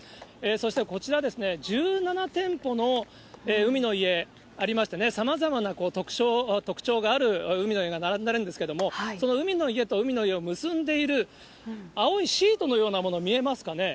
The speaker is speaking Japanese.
そしてこちら、１７店舗の海の家ありまして、さまざまな特徴がある海の家が並んでるんですけれども、その海の家と海の家を結んでいる、青いシートのようなもの見えます